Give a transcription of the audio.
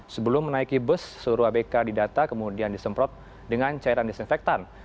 sebelum menaiki bus seluruh abk didata kemudian disemprot dengan cairan disinfektan